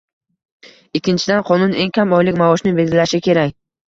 Ikkinchidan, qonun eng kam oylik maoshni belgilashi kerak